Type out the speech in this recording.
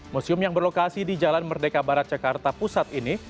museum yang berlokasi di jalan merdeka barat jakarta pusat ini